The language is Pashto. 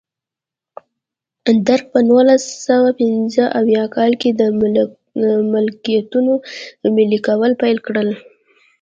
درګ په نولس سوه پنځه اویا کال کې د ملکیتونو ملي کول پیل کړل.